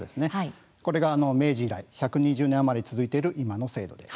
これが明治以来１２０年余り続いている今の制度です。